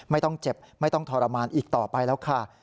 ไม่ต้องเจ็บไม่ต้องทรมานอีกต่อไปแล้วค่ะ